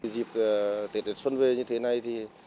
dịp tết xuân về như thế này thì